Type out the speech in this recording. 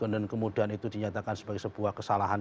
dan kemudian itu dinyatakan sebagai sebuah kesalahan